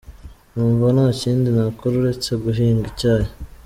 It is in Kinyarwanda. Numva nta kindi nakora uretse guhinga icyayi.